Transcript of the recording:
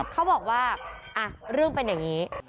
เขาบอกว่าเรื่องเป็นอย่างนี้